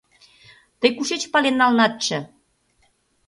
— Тый кушеч пален налынатше?